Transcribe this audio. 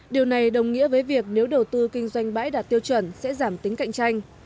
điều này đồng nghĩa với việc nếu đầu tư kinh doanh bãi đạt tiêu chuẩn sẽ giảm tính cạnh tranh